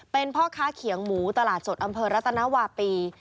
เป็นพ่อค้าเขียงหมูตลาดสดอำเภอรัตนวาปี